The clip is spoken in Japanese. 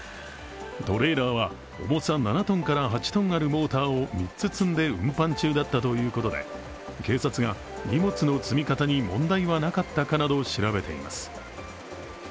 トレーラーは重さ７ｔから８ｔあるモーターを３つ積んで運搬中だったということで、警察が荷物の積み方に問題はなかったかなどを調べています。